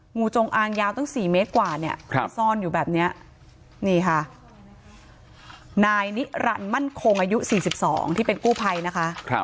งูจงอางยาวตั้ง๔เมตรกว่าเนี่ยไปซ่อนอยู่แบบนี้นี่ค่ะนายนิรันดิมั่นคงอายุ๔๒ที่เป็นกู้ภัยนะคะ